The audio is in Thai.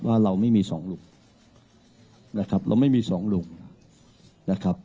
เราไม่มีสองลุงนะครับเราไม่มีสองหลุมนะครับ